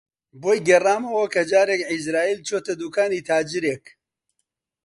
بۆی گێڕامەوە کە جارێک عیزراییل چۆتە دووکانی تاجرێک